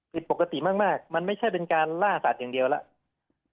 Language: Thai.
ผิดปกติมากมันไม่ใช่เป็นการล่าสัตว์อย่างเดียวแล้ว